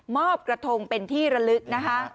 อบกระทงเป็นที่ระลึกนะคะ